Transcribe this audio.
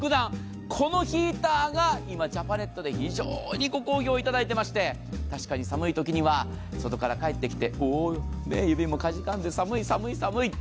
今ジャパネットで非常にご好評いただいていまして、確かに寒いときには外から帰ってきたら、指もかじかんで、寒い寒い寒い！